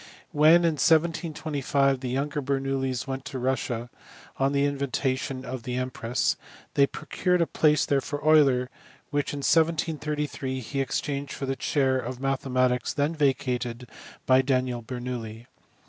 When, in 1725, the younger Bernoullis went to Russia, on the invitation of the empress, they pro cured a place there for Euler, which in 1733 he exchanged for the chair of mathematics then vacated by Daniel Bernoulli.